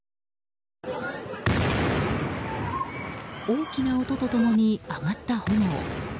大きな音と共に上がった炎。